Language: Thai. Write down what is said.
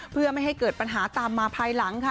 เพื่อไม่ให้เกิดปัญหาตามมาภายหลังค่ะ